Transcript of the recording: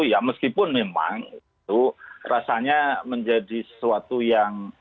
ya meskipun memang itu rasanya menjadi sesuatu yang